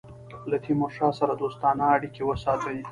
له تیمورشاه سره دوستانه اړېکي وساتي.